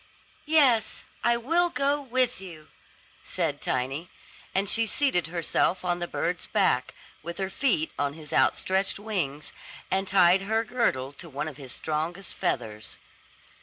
"Yes, I will go with you," said Tiny; and she seated herself on the bird's back, with her feet on his outstretched wings, and tied her girdle to one of his strongest feathers.